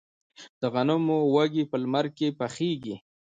د غنمو وږي په لمر کې پخیږي.